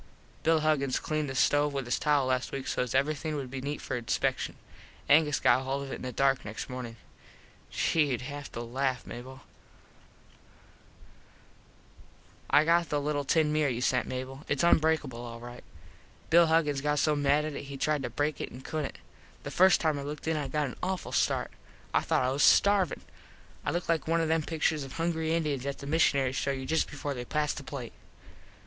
Bill Huggins cleaned the stove with his towel last week sos everything would be neet for inspecshun. Angus got hold of it in the dark next mornin. Gee, youd haft laft, Mable. [Illustration: "WHEN I LOOKED IN THE TIN MIRROR I THOUGHT I WAS STARVIN"] I got the little tin mirror you sent, Mable. Its unbreakable all right. Bill Huggins got so mad at it he tried to break it and couldnt. The first time I looked in it I got an awful start. I thought I was starvin. I looked like one of them picturs of hungry Indiens that the mishunaries show you just before they pass the plate.